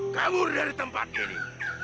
kamu dari tempat ini